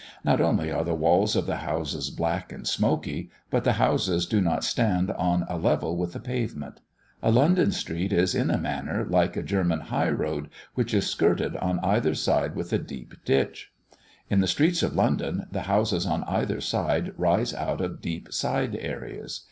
Not only are the walls of the houses black and smoky, but the houses do not stand on a level with the pavement. A London street is in a manner like a German high road, which is skirted on either side with a deep ditch. In the streets of London the houses on either side rise out of deep side areas.